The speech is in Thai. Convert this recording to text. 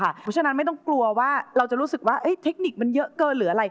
เพราะฉะนั้นไม่ต้องกลัวว่าเราจะรู้สึกว่าเทคนิคมันเยอะเกินหรืออะไร